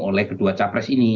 oleh kedua cawapres ini